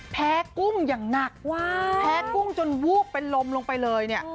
กุ้งอย่างหนักแพ้กุ้งจนวูบเป็นลมลงไปเลยเนี่ย